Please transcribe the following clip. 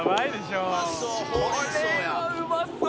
「これはうまそう！」